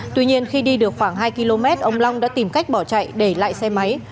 tuy nhiên khi đi được khoảng hai km ông long đã tìm cách bỏ chạy để lại xe máy